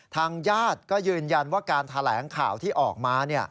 ทางญาติก็ยืนยันว่าการแถลงข่าวที่ออกมา